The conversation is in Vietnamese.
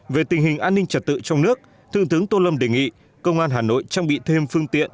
về tình hình an ninh chặt tự trong nước thương thướng tô lâm đề nghị công an hà nội trang bị thêm phương tiện